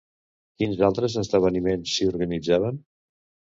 Quins altres esdeveniments s'hi organitzaven?